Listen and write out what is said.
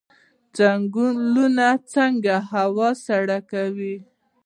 ځنګل څنګه هوا سړه کوي؟